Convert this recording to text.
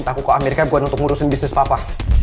pada saat perang apa amerika bukan untuk ngurusin bisnis papa